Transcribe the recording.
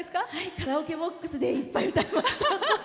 カラオケボックスでいっぱい歌いました。